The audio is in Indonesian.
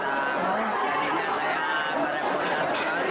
tampak kaget saat disambangi oleh presiden jokowi dan reni nurmaningsi ini